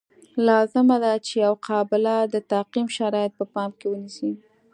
لازم دي چې یوه قابله د تعقیم شرایط په پام کې ونیسي.